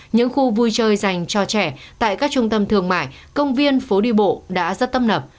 những khu vui chơi dành cho trẻ tại các trung tâm thương mại công viên phố đi bộ đã rất tấp nập